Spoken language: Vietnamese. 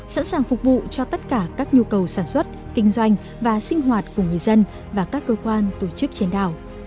sẵn sàng phục vụ cho tất cả các nhu cầu sản xuất kinh doanh và sinh hoạt của người dân và các cơ quan tổ chức trên đảo